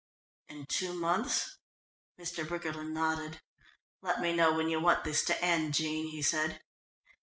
"In two months?" Mr. Briggerland nodded. "Let me know when you want this to end, Jean," he said.